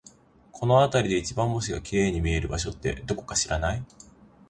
この辺りで一番星が綺麗に見える場所って、どこか知らない？